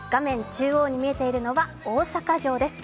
中央に見えているのは大阪城です。